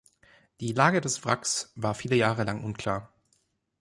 Die Lage des Wracks war viele Jahre lang unklar.